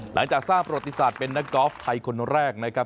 หลังจากทราบประวัติศาสตร์เป็นนักกอล์ฟไทยคนแรกนะครับ